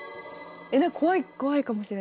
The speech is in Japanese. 怖い怖いかもしれない。